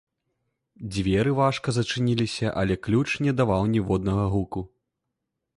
Дзверы важка зачыніліся, але ключ не даваў ніводнага гуку.